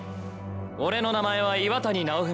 俺の名前は岩谷尚文。